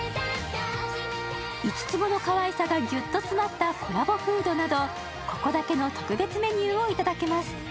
五つ子のかわいさがギュッと詰まったコラボフードなど、ここだけの特別メニューをいただけます。